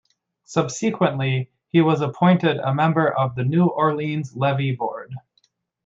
Subsequently he was appointed a member of the New Orleans Levee Board.